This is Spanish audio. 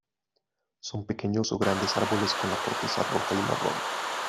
Son pequeños o grandes árboles con la corteza roja y marrón.